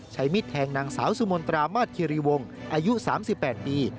มิดแทงนางสาวสุมนตรามาสคิริวงศ์อายุ๓๘ปี